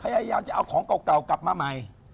พยายามจะเอาของเก่ากลับมาใหม่